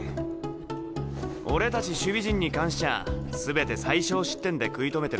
俺たち守備陣に関しちゃあ全て最少失点で食い止めてるでしょ。